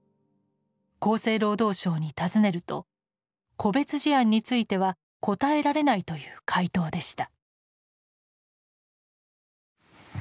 厚生労働省に尋ねると「個別事案については答えられない」という回答でした。